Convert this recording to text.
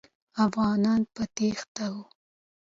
افغانان په تېښته وو.